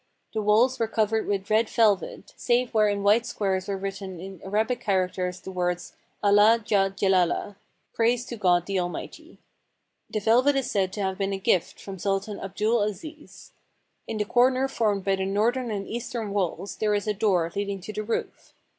The walls were covered with red velvet, save where in white squares were written in Arabic characters the words " Allah Jal Jelalah !" (Praise to God the Almighty !) The velvet is said to have been a gift from Sultan Abdul Aziz. In the corner formed by the northern and eastern walls there is a door leading to the roof.